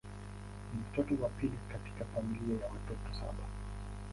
Ni mtoto wa pili katika familia ya watoto saba.